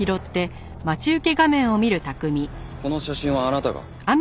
この写真はあなたが？